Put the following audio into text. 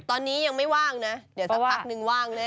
ตอนนี้ยังไม่ว่างนะเดี๋ยวสักพักนึงว่างแน่